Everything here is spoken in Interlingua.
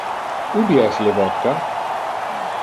Ubi es le vodka?